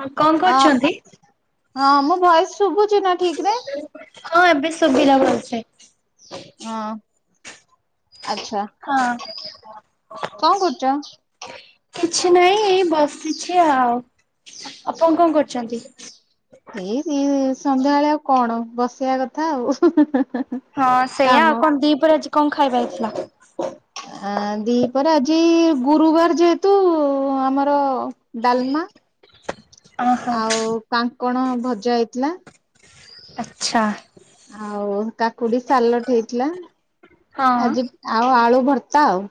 ହଁ କଣ ଅ କରୁଚନ୍ତି? ହଁ ମୋ ଭଏସ ଶୁଭୁଛିି ନା ଠିକ ରେ ହଁ ଏବେ ସୁବିଧା ଭଲସେ। ହଁ ଆଛା ହଁ। କଣ କରୁଚ? କିଛି ନାଇଁ ବସିଚି ଆଉ ଆପଣ କଣ କରୁଚନ୍ତି? ଏଇ ଦି ସନ୍ଧ୍ୟାବେଳେ ଆଉ କଣ ବସିବା କଥା ଆଉ [unintelligible] ହଁ ସେଇଆ, ଆଉ କାମ କଣ ଦିପରେ ଆଜି କଣ ଖାଇବା ହେଇଥିଲା? ଆ ଦିପହ ରେ ଆଜି ଗୁରୁବାର ଯେହେତୁ ଆମର ଡାଲମା। ଓହୋ ଆଉ କାଙ୍କଣ ଭଜା ହେଇଥିଲା। ଆଚ୍ଛା। ଆଉ କାକୁଡି ସାଲଟ ହେଇଥିଲା। ହଁ। ଆଜି ଆଉ ଆଳୁ ଭର୍ତ୍ତା ଆଉ।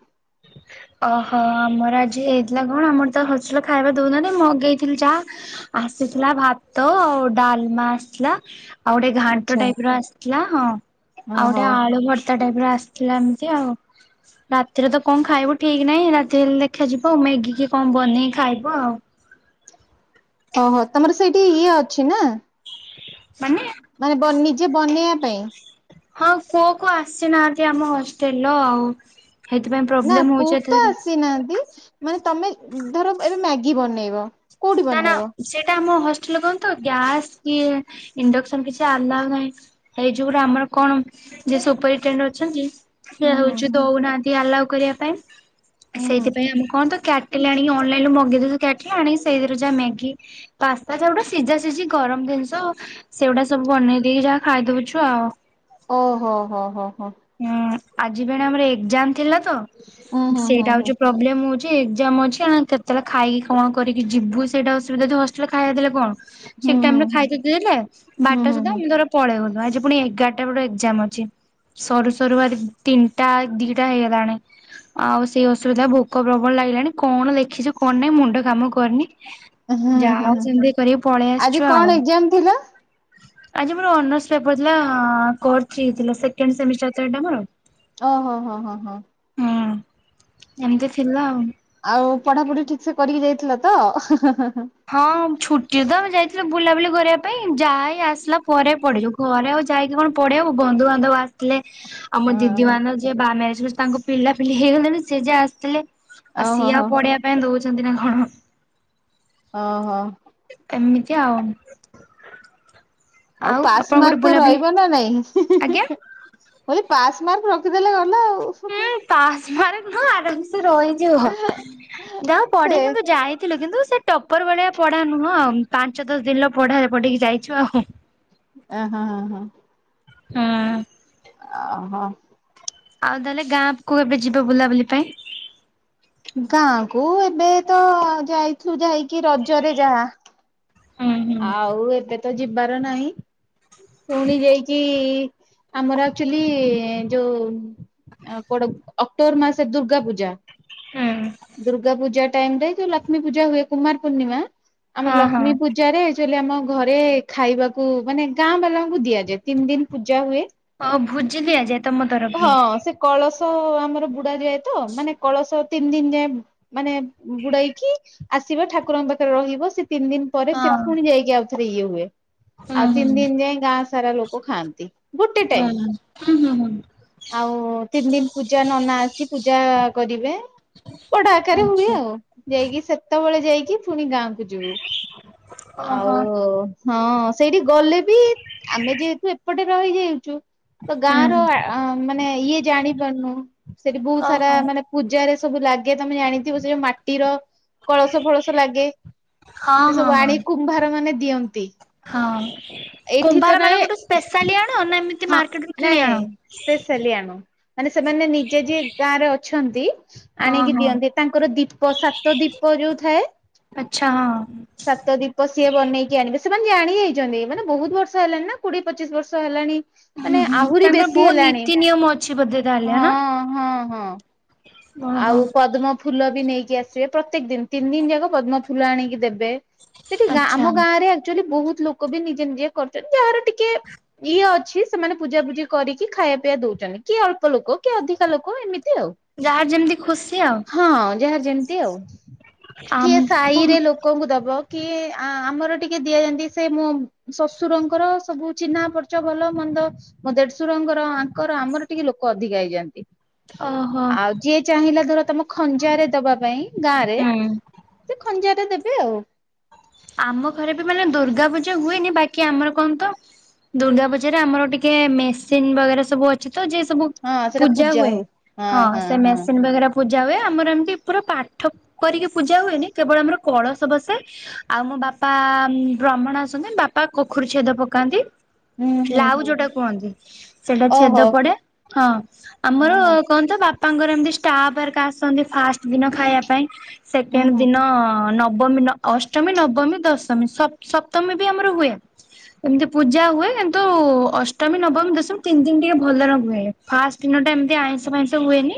ଓହୋ ଆମର ଆଜି ହେଇଥିଲା କଣ, ଆମର ତ ହୋସେଲ ଖାଇବା ଦଉନାହାନ୍ତି ମଗେଇଥିଲି ଯାହା। ଆସିଥିଲା ଭାତ ଆଉ ଡାଲମା ଆସିଥିଲା। ଆଉ ଗୋଟେ ଘାଣ୍ଟ ଆଚ୍ଛା ଟାଇପର ଆସିଥିଲା। ହଁ ଆଉ ଗୋଟେ ଓହୋ ଆଳୁ ଭ ତା ଟାଇପ ରେ ଆସିଥିଲା ଏମିତି ଆଉ ରାତିରେ ତ କଣ ଖାଇବୁ ଠିକ ନାହିଁ। ରାତି ହେଲେ ଦେଖାଯିବ ଆଉ ମ୍ୟାଗି କି କଣ ବନେଇ ଖାଇବୁ ଆଉ। ଓହୋ ତମର ସେଇଠି ଇଏ ଅଛି ନା। ମାନେ ମାନେ ବ ନିଜେ ବନେଇବା ପାଇଁ। ହଁ କୁଅ କୁ ଆସିନାହାନ୍ତି ଆମ ହଷ୍ଟେଲ ର ଆଉ। ସେଇଥିପାଇଁ ନା ପ୍ରୋବ୍ଲେମ ହଉଛି କୁକ୍ ତ ଏଥର। ଆସିନାହାନ୍ତି। ମାନେ ତମେ ଧର ଏବେ ମ୍ୟାଗି ବନେଇବ। କୋଉଠି ନା ନା ବନେଇବ ସେଇଟା ଆମ ହଷ୍ଟେଲ କଣ ତ ଗ୍ୟାସ୍ କି ଇଣ୍ଡକ୍ସନ କିଛି ଆଲାଉ ନାହିଁ। ଏଇ ଯୋଉଟା ଆମର କଣ ଯେ ସୁପର ଟେଣ୍ଡ ଅଛନ୍ତି ସେ ହୁଁ ହୁଁ ହଉଛି ହୁଁ ଦଉନାହାନ୍ତି ଆଲାଉ କରିବା ପାଇଁ। ହୁଁ ହୁଁ ସେଇଥିପାଇଁ ଆମେ କଣ ତ କ୍ୟା ଟେଲେ ଆଣିକି ଅନଲାଇନୁ ରୁ ମଗେଇ ଦେଉଚୁ, କ୍ୟାଟିଲ ଆଣି ସେଇଥିରେ ଯାହା ମ୍ୟାଗି ପାସ୍ତା ଯୋଉ ଟା ସିଝା ସିଝି ଗରମ ଜିନିଷ ସେଗୁଡା ସବୁ ବନେଇ ଦେଇକି ଯାହା ଖାଇଦଉଛୁ ଆଉ। ଓ ହୋ ହୋ ହୋ ହୋ। ହୁଁ ଆଜି ପେଣେ ଆମର ଏକ୍ଜାମ ଥିଲା ତ, ହୁଁ ହୁଁ ହୁଁ ସେଇଟା ହଉଚି ପ୍ରୋବ୍ ପ୍ରୋବ୍ଲେମ୍ ହଉଛି ଏକ୍ଜାମ ଅଛି ଆ କେତେବେଳେ ଖାଇକି କଣ କରିକି ଯିବୁ। ସେଇଟା ଅସୁବିଧ ଅଛି ହଷ୍ଟେଲ୍ ଖାଇବା ଦେଲେ କଣ ହୁଁ ସେଇଟି ତ ହୁଁ ଆମେ ହୁଁ ଖାଇଦଉଚୁ ହେଲା। ହୁଁ ବାରଟା ହୁଁ ହୁଁ ହୁଁ ସୁଧା ଆମେ ଧର ପଳେଇଗଲୁ। ଆଜି ପୁଣି ଏଗାରଟା ବେଳେ ଏକ୍ଜାମ ଅଛି। ସରୁ ସରୁ ଆଜ ତିନିଟା ଦିଟା ହେଇଗଲାଣି। ଆଉ ସେଇ ଅସୁବିଧା। ଭୋକ ପ୍ରବଳ ଲାଗିଲାଣି କଣ ଲେଖିଚୁ କଣ ନାଇଁ ମୁଣ୍ଡ କାମ କରୁନି। ହୁଁ ଯା ହୁଁ ହଉ ହୁଁ ସେମିତି ଇଏ କରିକି ପଳେଇ ଆଜି ଆସିଚୁ କଣ ଆଉ। ଏକ୍ଜାମ ଥିଲା ଆଜି ମୋର ଅନର୍ସ ପେପର ଥିଲା। କୋର୍ ଥ୍ରି ଥିଲା ସେକେଣ୍ଡ ସେମିଷ୍ଟଟାର ତ ଏଟା ମୋର। ଓଃ ହୋ ହଁ ହଁ ହଁ। ହୁଁ ଏମିତି ଥିଲା ଆଉ। ଆଉ ପଢାପଢି ଠିକ ସେ କରିକି ଯାଇଥିଲ ତ? ହଁ, ଛୁଟିରେ ତ ଆମେ ଯାଇଥିଲୁ ବୁଲାବୁଲି କରିବା ପାଇଁ। ଯାହା ଏଇ ଆସିଲା ପରେ ପଢ଼ିଲୁ। ଘରେ ଆଉ ଯାଇକି କଣ ଆଉ ପଢ଼ିହବ। ବନ୍ଧୁବାନ୍ଧବ ଆସିଥିଲେ ଆଉ ମୋ ଦିଦି ମାନେ ଯିଏ ବାହା ମ୍ୟାରେଜ କରି ତାଙ୍କ ପିଲାପିଲି ହେଇଗଲେଣି ସେ ଯିଏ ଆସିଥିଲେ। ଆଉ ଓହୋ ସିଏ ହୋ ଆଉ ପଡେଇିବା ପାଇଁ ଦଉଛନ୍ତି ନା କଣ। ଅହଃ। ଏମିତି ଆଉ। ଆଉ ଆପଣ ପାସ ଗୋଟେ ମାର୍କ ତ ବୁଲାବୁଲି ରହିବ ନା ନାଇଁ? ଆଜ୍ଞା ମୁଁ କହିଲି ପାସ ମାର୍କ ରଖିଦେଲେ ଗଲା ଆଉ। ହୁଁ ପାସ୍ ମାର୍କ ନୁହଁ ଆରାମସେ ରହିଯିବ। ଯାହା ହେଉ ସେ ପଢିକି କିନ୍ତୁ ଯାଇ ଥିଲୁ। କିନ୍ତୁ ସେ ଟପର ଭଳିଆ ପଢ଼ା ନୁହଁ ଆଉ, ପାଞ୍ଚଦଶ ଦିନର ପଢା ପଢିକି ଯାଇଛୁ ଆଉ। ଅ ହଁ ହ ହଁ। ହଁ। ଅହୋ। ଆଉ ତାହେଲେ ଗାଁ କୁ କେବେ ଯିବ ବୁଲାବୁଲି ପାଇଁ? ଗାଁ କୁ ଏବେ ତ ଯାଇଥିଲୁ ଯାଇକି ରଜରେ ଯାହା। ହୁଁ ହୁଁ ଆଉ ଏବେ ତ ଯିବାର ନାହିଁ। ପୁଣି ଯାଇକି, ଆମର ଏକ୍ଟୁଲି ଯୋଉ କଡ ଅକ୍ଟୋବର ମାସ ଦୁର୍ଗାପୂଜା। ହୁଁ ଦୁର୍ଗାପୂଜା ଟାଇମରେ ଯଉ ଲକ୍ ଲକ୍ଷ୍ମୀ ପୂଜା ହୁଏ କୁମାର ପୂର୍ଣ୍ଣିମା। ଆମ ହଁ ହଁ ଲକ୍ଷ୍ମୀ ପୂଜା ପୂଜରେ ଏକ୍ଟୁଆଲି ଆମ ଘରେ ଖାଇବାକୁ ମାନେ ଗାଁବାଲାଙ୍କୁ ଦିଆଯାଏ। ମାନେ ତିନି ଦିନ ପୂଜା ହୁଏ ହଁ ଭୋଜି ଦିଆ ଯାଏ। ହଁ ସେ କଳସ ଆମର ବୁଡା ଯାଏ ତ, ମାନେ କଳସ ତିନିଦିନ ଯାଏ ମାନେ ବୁଡେଇକି ଆସିବ, ଠାକୁରଙ୍କ ପାଖରେ ରହିବ। ସେ ତିନି ଦିନ ପରେ ସେ ହଁ ପୁଣି ଯାଇକି ଆଉଥରେ ଇଏ ହୁଏ। ହୁଁ ଆଉ ହୁଁ ତିନି ଦିନ ଯାଏ ଗାଁ ସାରା ଲୋକ ଖାଆନ୍ତି। ଗୋଟେ ଟାଇମ ହୁଁ ହୁଁ ହୁଁ ହୁଁ। ଆଉ ତିନି ଦିନ ପୂଜା, ନନା ଆସି ପୂଜା କରିବେ। ପଡା ଆକାରରେ ହୁଏ ଆଉ। ଯାଇକି ସେତେବେଳେ ଯାଇକି ପୁଣି ଗାଁକୁ ଯିବୁ। ଆଉ ଓହୋ ହଁ ସେଇଠି ଗଲେ ବି, ଆମେ ଯେହେତୁ ଏପଟେ ରହିଯାଇଛୁ, ତ ଗାଁର ହୁଁ ଆ ଆ ମାନେ ଇଏ ଜାଣିପାରୁନୁ। ସେଠି ବହୁତ ସାରା ମାନେ ପୂଜାରେ ସବୁ ଲାଗେ। ତମେ ଜାଣିଥିବ ସେ ଯୋଉ ମାଟିର କଳସ ଫଳସ ଲାଗେ। ସେ ସବୁ ଆଣି କୁମ୍ଭାର ମାନେ ଦିଅନ୍ତି। ହଁ ଏଠି ତ ନାଇଁ। ଅନା ଏମିତି ମାର୍କେଟରୁ କିଣି ଆଣ? ଚାଲି ଆଣୁ। ମାନେ ସେମାନେ ନିଜେ ଯିଏ ଗାଁରେ ଅଛନ୍ତି। ହଁ ଆଣିକି ହଁ ଦିଅନ୍ତି। ତାଙ୍କର ଦୀପ ସାତ ଦୀପ ଯୋଉ ଥାଏ। ଆଚ୍ଛା ହଁ। ସାତ ଦିପ ସିଏ ବନେଇକି ଆଣିବେ। ସେମାନେ ଜାଣି ହୋଇଛନ୍ତି। ମାନେ ବହୁତ ବର୍ଷ ହେଲାଣି ନା, କୋଡିଏ ପଚିଶ ବର୍ଷ ହେଲାଣି। ହୁଁ ମାନେ ହୁଁ ଆହୁରି ତାଙ୍କର ଦେଶୀ ବହୁତ ହେଲାଣି। ନୀତି ନିୟମ ଅଛି ବୋଧେ ତାହେଲେ ହଁ ନା? ହଁ ହଁ। ଓହୋ ଆଉ ପଦ୍ମଫୁଲ ବି ନେଇକି ଆସିବେ। ପ୍ରତ୍ୟେକଦିନ ତିନିଦିନ ଯାକ ପଦ୍ମଫୁଲ ଆଣିକି ଦେବେ। ସେଠି ଆଚ୍ଛା ଆମ ଗାଁରେ ଆକ୍ଚୁଆଲି ବହୁତ ଲୋକ ବି ନିଜେନିଜେ କରୁଛନ୍ତି। ଯାହାର ଟିକେ ଇଏ ଅଛି ସେମାନେ ପୂଜା ପୂଜି କରିକି ଖାଇବା ପିଇବା ଦୋଉଛନ୍ତି। କିଏ ଅଳ୍ପ ଲୋକ କିଏ ଅଧିକା ଲୋକ ଏମିତି ଆଉ। ଯାହାର ଯେମିତି ଖୁସି ଆଉ। ହଁ ଯାହା ଯେମିତି ଆଉ। କିଏ ଆମକୁ ସାହିରେ ଲୋକଙ୍କୁ ଦବ କି ଆଁ ଆମର ଟିକେ ଦିଆନ୍ତି ସେ ମୋ ଶଶୁରଙ୍କର ସବୁ ଚିହ୍ନା ପରିଚୟ ଭଲ ମନ୍ଦ ମୋ ଦେଡୁଶୁରଙ୍କର ଆଙ୍କର ଆମର ଟିକେ ଲୋକ ଅଧିକ ହେଇଯାନ୍ତି। ଓହୋ। ଆଉ ଯିଏ ଚାହିଁଲା ଧର ତମ ଖଞ୍ଜାରେ ଦବା ପାଇଁ ଗାଁରେ, ହୁଁ। ସେ ଖଞ୍ଜାରେ ଦେବେ ଆଉ। ଆମ ଘରେ ବି ମାନେ ଦୁର୍ଗାପୂଜା ହୁଏନି। ବାକି ଆମର କଣ ତ ଦୁର୍ଗାପୂଜାରେ ଆମର ଟିକେ ମେସିନ୍ ବାଗେରା ସବୁ ଅଛି ଅଛି ତ ଯିଏ ସବୁ ପୂଜା ହୁଏ। ହଁ ସେ ମେସିନ୍ ବଗେରା ପୂଜା ହୁଏ। ଆମର ଏମିତି ପୁରା ପାଠ କରିକି ପୂଜା ହୁଏନି, କେବଳ ଆମର କଳସ ବସେ ଆଉ ମୋ ବାପା, ବ୍ରାହ୍ମଣ ଆସନ୍ତି ବାପା କୋଖରୀ ଛେଦ ପକାନ୍ତି। ହୁଁ ହୁଁ ଲାଉ ହୁଁ ଯୋଉଟା କୁହନ୍ତି ସେଟା ଛେଦ ଓହୋ ପଡେ ହଁ ଉଁ ଆମର ହୁଁ କୁହନ୍ତି ତ ବାପାଙ୍କର ଏମିତି ଷ୍ଟାପ ହରିକା ଆସନ୍ତି ଫାଷ୍ଟ ଦିନ ଖାଇବା ପାଇଁ ଉଁ ସେକେଣ୍ଡ ହୁଁ ଦିନ ନବମୀ ନ ଅ ଅଷ୍ଟମୀ ନବମୀ ଦଶମୀ ସ୍ ସପ୍ତମୀ ବି ଆମର ହୁଏ। ଏମିତି ପୂଜା ହୁଏ କିନ୍ତୁ ଅଷ୍ଟମୀ ନବମୀ ଦଶମୀ ତିନି ଦିନ ଟିକେ ଭଲରେ ହୁଏ। ଫାଷ୍ଟ ଦିନ ଟା ଏମିତି ଆଇଁଷ ଫାଇଁସ ହୁଏନି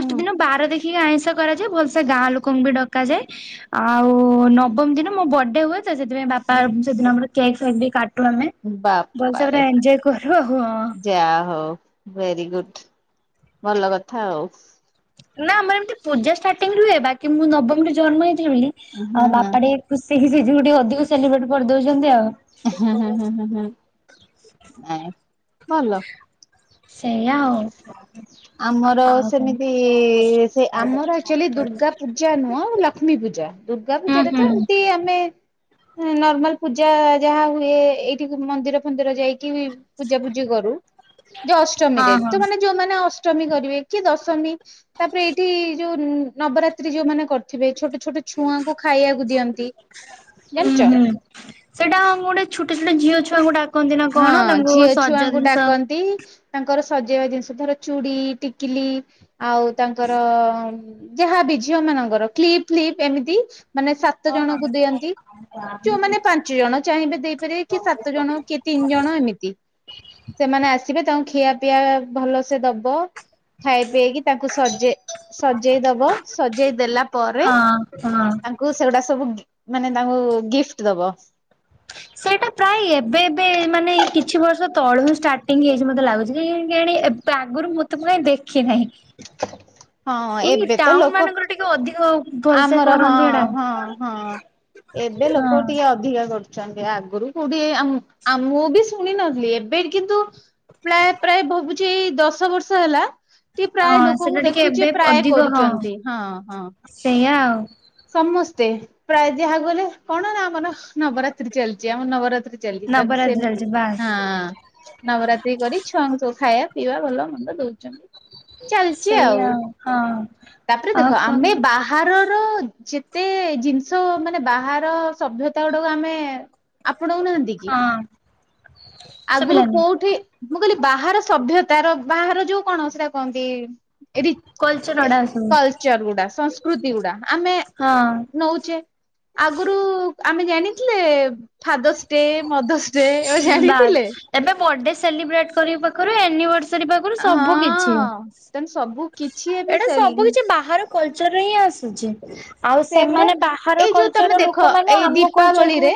ହୁଁ ଦିନ ବାର ଦେ କି ଆଇଁଷ କରାଯାଏ ଭଲସେ ଗାଁ ଲୋକଙ୍କୁ ବି ଡକାଯାଏ ଆଉ ନ ନବମୀ ଦିନ ମୋ ବର୍ଥଡେ ହୁଏ ତ ସେଥିପାଇଁ ବାପା ସେଦିନ ମୋର କେକ୍ ଫେକ୍ ବି କାଟ୍ କାଟୁ ଆମେ ଭଲସେ ପୁରା ଏଞ୍ଜୋୟ୍ କରୁ ହୋ ହଁ। ଯାହା ହୋଉ ଭେରି ଗୁଡ୍‌ ଭଲ କଥା ଆଉ ନା ଆମେ ଏମିତି ପୂଜା ଷ୍ଟାର୍ଟିଂ ବି ହେବା କିନ୍ତୁ ମୁଁ ନବମୀରେ ଜନ୍ମ ହେଇଥିଲି ବୋଲି ହୁଁ ହୁଁ ଆଉ ବାପା ହୁଁ ଟିକେ ଖୁସି ସିଜି ଟିକେ ଅଧିକ ସେଲିବ୍ରେଟ କରିଦୋଉଛନ୍ତି ଆଉ। ହୁଁ ହୁଁ ହୁଁ ହୁଁ ନାଇଁ ଭଲ। ସେଇୟା ଆଉ କହ ଆମର ସେମିତି ସେ ଆମର ଏକ୍ଟୁଆଲି ଦୁର୍ଗା ପୂଜା ନୁହଁ ଲକ୍ଷ୍ମୀ ପୂଜା। ଦୁର୍ଗା ହୁଁ ପୂଜାରେ ତ ଏମିତି ହୁଁ ଆମେ ନର୍ମାଲ ପୂଜା ଯାହା ହୁଏ ଏଇଠିକୁ ମନ୍ଦିର ଫନ୍ଦିର ଯାଇକି ପୂଜା ପୂଜି କରୁ। ଯୋଉ ଅଷ୍ଟମୀରେ ତ ମାନେ ଯୋଉମାନେ ଅଷ୍ଟମୀ କରିବେ କି ଦଶମୀ ତାପରେ ଏଇଠି ଯୋଉ ନବରାତ୍ରି ଯୋଉମାନେ କରିଥିବେ ଛୋଟ ଛୋଟ ଛୁଆଙ୍କୁ ଖାଇବାକୁ ଦିଅନ୍ତି ହୁଁ ଜାଣିଛ? ହୁଁ। ସେଇଟା ଗୋଟେ ଛୋଟ ଛୋଟ ଝିଅ ଛୁଆଙ୍କୁ ଡାକନ୍ତି ନା କଣ ତାଙ୍କୁ ସଜ ଜିନିଷ ନ୍ତି - ତାଙ୍କର ସଜେଇବା ଜିନିଷ ଧର ଚୁଡ଼ି ଟିକିଲି ଆଉ ତାଙ୍କର ଯାହାବି ଝିଅ ମାନଙ୍କର କ୍ଲିପ୍ପ ଫ୍ଲିପ ଏମିତି ମାନେ ସା ସାତ ଜଣଙ୍କୁ ଦିଅନ୍ତି ଯୋଉମାନେ ପାଞ୍ଚ ଜଣ ଚାହିଁବେ ଦେଇପାରିବେ କି ସାତ ଜଣ କି ତିନି ଜଣ ଏମିତି ସେମାନେ ଆସିବେ ତାଙ୍କୁ ଖିଆ ପିଆ ଭଲସେ ଦବ ଖାଇ ପିଆଇକି ତାଙ୍କୁ ସଜେଇ ସଜେଇ ଦବ ସଜେଇ ଦେଲା ପରେ ହଁ ହଁ। ତାଙ୍କୁ ସେଗୁଡା ସବୁ ମାନେ ତାଙ୍କୁ ଗିଫ୍ଟ ଦବ ସେଇଟା ପ୍ରାୟ ଏବେ ଏବେ ମାନେ ଏଇ କିଛି ବର୍ଷ ତଳୁ ଷ୍ଟାର୍ଟିଂ ହେଇଛି ମତେ ଲାଗୁଛି କେଜାଣି? ତା ଆଗରୁ ମୁଁ ତ କାଇଁ ଦେଖି ନାହିଁ ହଁ ଏଇ ଏବେ ତ ଟାଉନ ଲୋକ ମାନଙ୍କର ଟିକେ ଅଧିକ ଆଉ ଆମର ହଁ ହଁ ହଁ ଏବେ ହଁ ଲୋକ ଟିକେ ଅଧିକା କରୁଛନ୍ତି ଆଗରୁ କୋଡିଏ ଆମୁ ଆମ୍ ମୁଁ ବି ଶୁଣି ନଥିଲି ଏବେ କିନ୍ତୁ ପ୍ରାୟ ପ୍ରାୟ ଭାବୁଛି ଏଇ ଦଶ ବର୍ଷ ହେଲା ଏଠି ପ୍ରାୟ ହଁ ସେଟା ଲୋକଙ୍କୁ ଟିକେ ଦେଖୁଛି ଏବେ ପ୍ରାୟ ଅଧିକ ହଁ କରୁଛନ୍ତି। ହଁ ହଁ। ସେଇଆ ଆଉ ସମସ୍ତେ ପ୍ରାୟ ଯାହାକୁ ହେଲେ କଣ ନା ଆମର ନବରାତ୍ରି ଚାଲିଛି ଆମର ନବରାତ୍ରି ଜଲଦୀ ନବରାତ୍ରି ସେ ଚାଲିଛି ବାସ୍ ହାଁ। ନବରାତ୍ରି କରି ଛୁଆଙ୍କୁ ସବୁ ଖାଇବା ପିଇବା ଭଲ ମନ୍ଦ ଦଉଛନ୍ତି। ଚାଲିଛି ସେଇଆ ଆଉ। ହଁ ତାପରେ ଆଉ ଦେଖ କଣ ଆମେ ବା ବାହାରର ଯେତେ ଜିନିଷ ମାନେ ବାହାର ସଭ୍ୟତା ଗୁଡାକୁ ଆମେ ଆପଣାଉନାହାନ୍ତି କି? ହଁ ଆଗରୁ ଶୁଭିଲାନି କୋଉଠି ମୁଁ କହିଲି ବାହାର ସଭ୍ୟତାର ବାହାର ଯୋଉ କଣ ସେଟା କହନ୍ତି? ଏଠି କଲଚର ଅଡା ସବୁ କଲଚରଗୁଡା ସଂସ୍କୃତି ଗୁଡା ଆମେ ହଁ ନଉଛେ ଆଗରୁ ଆମେ ଜାଣିଥିଲେ ଫାଦର୍ସ ଡେ ମଦର୍ସ ଡେ ଏଗୁଡା ନାଇ ଜାଣିଥିଲେ? ଏବେ ବର୍ଥଡେ ସେଲିବ୍ରେଟ କରିବା ପାଖରୁ ଆନିଭର୍ ଅନିଭର୍ଶରି ସେ ପାଖରୁ ସବୁ କିଛି ଦେନ୍ ସବୁ କି ଏଇଟା ସବୁ କିଛି ବାହାର କଲଚରରୁ ହିଁ ଆସୁଛି। ଆଉ ସେ ପରା ସେମାନେ ବାହାର ଏଇ ଯୋଉ ତମେ କଲଚର ଦେଖ ଲୋକମାନେ ଏଇ ଆମ କଲଚର କୁ ଦୀପାବଳିରେ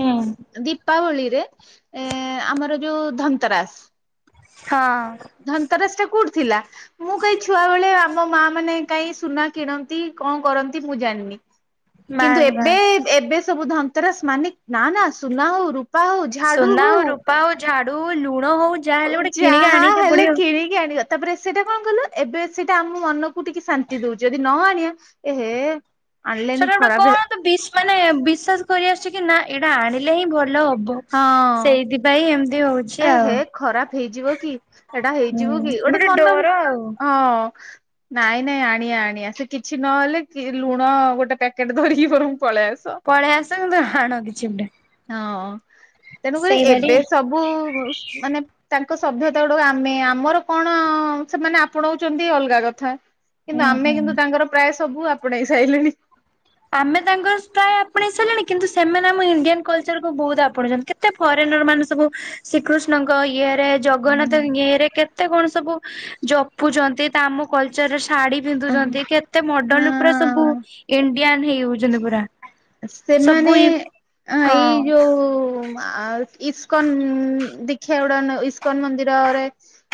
ହୁଁ। ଦୀପାବଳିରେ ଏ ଆମର ଯୋଉ ଧନ୍ତରାସ। ହଁ। ଧନ୍ତରାସ ଟା କୋଉଠି ଥିଲା? ମୁଁ କାଇଁ ଛୁଆବେଳେ ଆମ ମା ମାନେ କାଇଁ ସୁନା କିଣନ୍ତି କଣ କରନ୍ତି ମୁଁ ଜାଣିନି? କିନ୍ତୁ ବାସ୍ ଏବେ ବାସ୍ ଏବେ ସବୁ ଧନ୍ତରାସ ମାନେ ନା ନା ସୁନା ହଉ ରୂ ସୁନା, ହଉ ରୂପା, ହଉ, ଝାଡୁ ହଉ ଲୁଣ, ହଉ ଯାହା ହେଲେ ଗୋଟେ କିଣିକି ଯାହା ଆଣିତେ ହେଲେ ପଡିବ। କିଣି ଆଣିବା ତାପରେ ସେଇଟା କଣ କଲୁ ଏବେ ସେଇଟା ଆମ ମନକୁ ଟିକେ ଶାନ୍ତି ଦଉଛି ଯଦି ନ ଆଣିବା ଏହେ। ଆଣିଲେନି ସେଟା ଗୋଟେ ଖରାପ କଣ ତ ମାନେ ବିସ୍ ବିଶ୍ଵାସ କରି ଆସୁଛି କି ନା ଏଇଟା ଆଣିଲେ ହିଁ ଭଲ ହବ। ହଁ ସେଇଥିପାଇଁ ଏମତି ହଉଛି। ଏ ଆଉ। ହେ ଖରାପ ହେଇଯିବ କି, ଏଇଟା ହୁଁ ହେଇଯିବ କି? ଗୋଟେ ମନ ବି ଡର ଆଉ ହଁ। ନାଇଁ ନାଇଁ, ଆଣିଆ ଆଣିଆ ସେ କିଛି ନହେଲେ କି ଲୁଣ ଗୋଟେ ପ୍ୟାକେଟ୍ ଧରିକି ବରଂ ପଳେଇ ଆସ। ପଳେଇ ଆସନ୍ତୁ କିନ୍ତୁ ହାଣ କିଛି ଗୋଟେ। ହଁ ତେଣୁକରି ଏବେ ସେଇଭଳି ସବୁ ମାନେ ତାଙ୍କ ସଭ୍ୟତା ଗୁଡ ଆମେ ଆମର କଣ ସେମାନେ ଆପଣଉଛନ୍ତି ଅଲଗା କଥା। କିନ୍ତୁ ଆମେ କିନ୍ତୁ ତାଙ୍କର ପ୍ରାୟ ସବୁ ଆପଣେଇ ସାଇଲେଣି। ଆମେ ତାଙ୍କର ପ୍ରାୟ ଆପଣେଇ ସାରିଲେଣି, କିନ୍ତୁ ସେମାନେ ଆମ ଇଣ୍ଡିଆନ୍ କଲ୍ଚର କୁ ବୋହୁତ୍ ଆପଣେଉଛନ୍ତି। କେ ଏତେ ଫରେ ନିଅର୍ ମାନେ ସବୁ ଶ୍ରୀକୃଷ୍ଣଙ୍କ ଇଏ ସେ ଜଗନ୍ନାଥ ଇଏରେ କେତେ କଣ ସବୁ ଜପୁଛନ୍ତି। ତ ଆମ କଲ୍ଚର ରେ ଶାଢୀ ହଁ ପିନ୍ଧୁଛନ୍ତି କେତେ ମଡେଲ୍ ଉପରେ ସବୁ, ଇଣ୍ଡିଆନ୍ ହେଇଯାଉଛନ୍ତି ପୁରା। ସବୁ ସେମାନେ ଇ ଏଇ ହଁ ଯୋଉ ଆଉ ଇସ୍କନ୍ ଦିଖିଆ ଗୁଡା ଇସ୍କନ୍ ମନ୍ଦିରରେ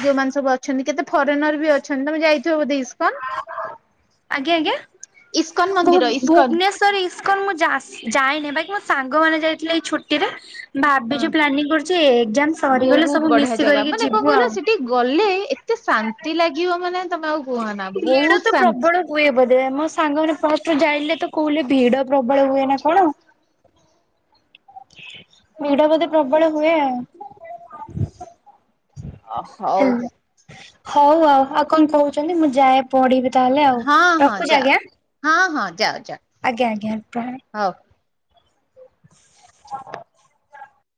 ଯୋଉମାନେ ସବୁ ଅଛନ୍ତି। କେତେ ଫରେନିଅର ବି ଅଛନ୍ତି। ତମେ ଯାଇଛ ବୋଧେ ଇସ୍କନ୍? ଆଜ୍ଞା ଆଜ୍ଞା, ଇସ୍କନ ମନ୍ଦିର ଭୁ- ଇସ୍କନ ଭୁବନେସ୍ ସର୍ ଇସ୍କନ୍ ମୁଁ ଯା-ଯାଏନି ବାକି ମୋ ସାଙ୍ଗ ମାନେ ଯାଇଥିଲେ ଏଇ ଛୁଟି ରେ। ଭାବିଛୁ ପ୍ଲାନିଂ କରୁଛି ଏକ୍ଜାମ ସରିଗଲେ ବହୁତ ସବୁ ବଢିଆ ମିଶ ଜାଗା କରିକି ମାନେ କଣ ଯିବୁ କହିଲ ଆଉ। ସେଠି ଗଲେ ଏତେ ଶାନ୍ତି ଲାଗିବ ମାନେ ତମେ ଆଉ କୁହନା ଏଡା ବହୁତ ତ ଶାନ୍ତି। ପ୍ରବଳ ହୁଏ ବୋଧ ମୋ ସାଙ୍ଗରେ ଫଷ୍ଟୁ ଯାଇଲେ ତ ସ୍କୁଲ୍ ରେ ଭିଡ ପ୍ରବଳ ହୁଏ ନା କଣ ଭିଡ଼ ବୋଧେ ପ୍ରବଳ ହୁଏ ଆଉ। ଅ ହୋଉ। ହୋଉ ଆଉ। ଆଉ କଣ କହୁଛନ୍ତି, ମୁଁ ଯାଏ ପଢିବି ତାହେଲେ ଆଉ ହଁ ହଁ ରଖୁଛି ଯାଅ ଆଜ୍ଞା? ହଁ ହଁ, ଯାଅ ଯାଅ। ଆଜ୍ଞା ଆଜ୍ଞା, ପ୍ରଣା ହଉ। ହ